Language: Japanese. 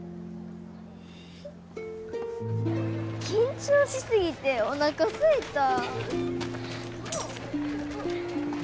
緊張し過ぎておなかすいた。